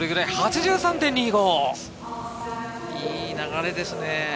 いい流れですね。